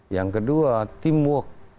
yang kedua teamwork